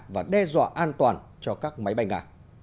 và đe dọa an toàn cho các máy bay nga